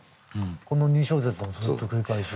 この２小節のずっと繰り返し。